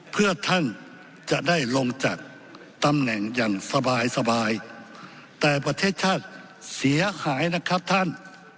เพื่อท่านจะได้ลงจากตำแหน่งอย่างสบายสบายแต่ประเทศชาติเสียหายนะครับท่าน